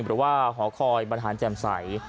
หรือว่าหอคอยบรรหารแจ่มใส